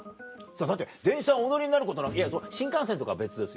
だって電車お乗りになること新幹線とかは別ですよ。